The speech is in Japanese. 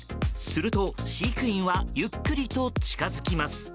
すると、飼育員はゆっくりと近づきます。